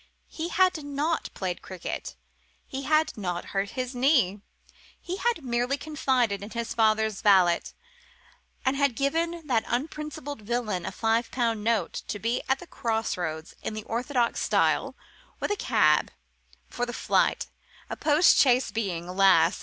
He had not played cricket, he had not hurt his knee, he had merely confided in his father's valet, and had given that unprincipled villain a five pound note to be at the Cross Roads in the orthodox style with a cab for the flight, a post chaise being, alas!